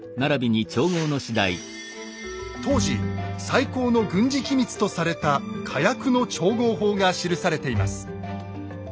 当時最高の軍事機密とされた火薬の調合法が記されています。